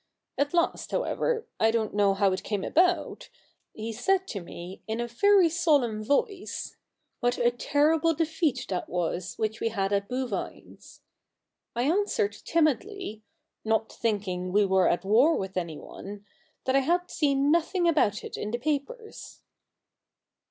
At last, however — I don't know how it came about — he said to me, in a very solemn voice, " What a terrible defeat that was which we had at Bouvines !" I answered timidly — not thinking we were at war with anyone — that I had seen nothing about it in the papers.